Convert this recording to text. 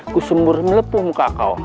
kusumbur melepuh muka kau